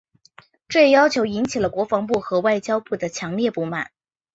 这一要求引起了国防部和外交部的强烈不满。